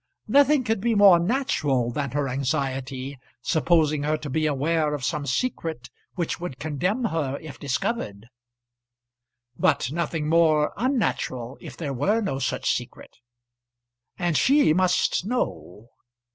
Nothing could be more natural than her anxiety, supposing her to be aware of some secret which would condemn her if discovered; but nothing more unnatural if there were no such secret. And she must know!